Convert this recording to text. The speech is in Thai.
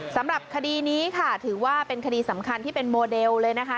สำหรับคดีนี้ค่ะถือว่าเป็นคดีสำคัญที่เป็นโมเดลเลยนะคะ